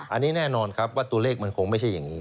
อันนี้แน่นอนครับว่าตัวเลขมันคงไม่ใช่อย่างนี้